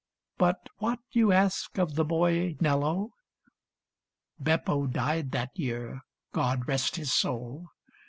But what, you ask, Of the boy Nello ? Beppo died that year — God rest his soul